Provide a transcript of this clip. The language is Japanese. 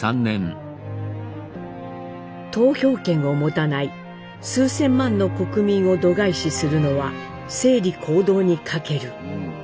「投票権を持たない数千万の国民を度外視するのは正理公道に欠ける」。